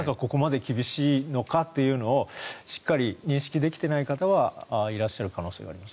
ここまで厳しいのかとしっかり認識できていない方はいらっしゃる可能性があります。